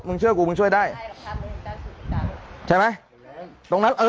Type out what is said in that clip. ตรงนั้นนะแหละแหล็งไอ้โอ๊ด